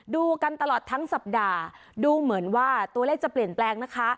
ดูกันตลอดทั้งสัปดาห์ดูเหมือนว่าตัวเลขจะเปลี่ยนแปลงนะคะ